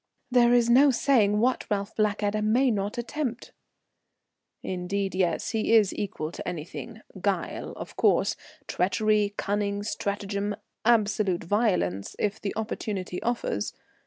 "There is no saying what Ralph Blackadder may not attempt." "Indeed, yes, he is equal to anything, guile of course, treachery, cunning, stratagem, absolute violence if the opportunity offers.